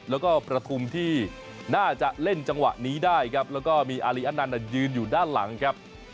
แล้วก็ประทุมที่น่าจะเล่นจังหวะนี้ได้ครับแล้วก็มีอารีอนันต์ยืนอยู่ด้านหลังครับ